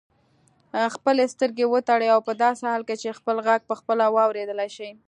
خپلې سترګې وتړئ او په داسې حال کې چې خپل غږ پخپله واورېدلای شئ.